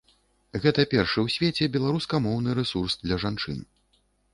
Гэта першы ў свеце беларускамоўны рэсурс для жанчын.